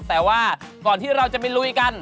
แต่ว่าก่อนที่เราจะไปลุยกัน